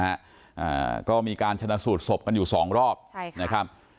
อ่าก็มีการชนะสูตรศพกันอยู่สองรอบใช่ค่ะนะครับ